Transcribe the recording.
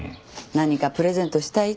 何かプレゼントしたいって。